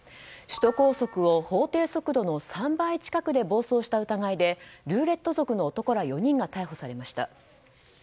首都高速を法定速度の３倍近くで暴走した疑いでルーレット族の男ら４人が逮捕されました。